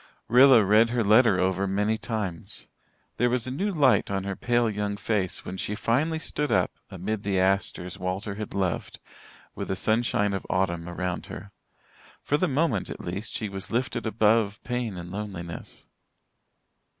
Rilla read her letter over many times. There was a new light on her pale young face when she finally stood up, amid the asters Walter had loved, with the sunshine of autumn around her. For the moment at least, she was lifted above pain and loneliness.